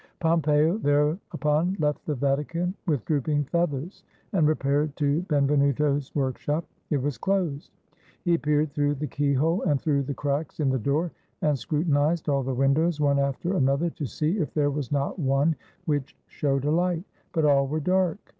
Pompeo thereupon left the Vatican with drooping feathers, and repaired to Benvenuto's workshop; it was closed. He peered through the keyhole and through the cracks in the door, and scrutinized all the windows, one after another, to see if there was not one which showed a light; but all were dark.